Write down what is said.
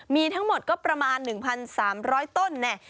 มีทั้งหมดก็ประมาณ๑๓๐๐ต้นเนี่ย